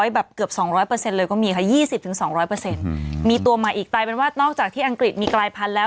๒๐๐แบบเกือบ๒๐๐เปอร์เซ็นต์เลยก็มีค่ะ๒๐ถึง๒๐๐เปอร์เซ็นต์มีตัวใหม่อีกใต้เป็นว่านอกจากที่อังกฤษมีกลายพันธุ์แล้ว